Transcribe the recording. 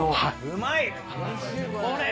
うまいね。